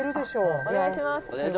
「お願いします」